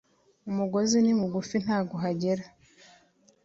Umugozi ni mugufi ntago uhagera